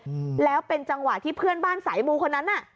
อืมแล้วเป็นจังหวะที่เพื่อนบ้านสายมูคนนั้นน่ะ